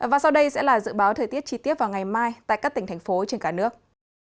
và sau đây sẽ là dự báo thời tiết chi tiết vào ngày mai tại các tỉnh thành phố trên cả nước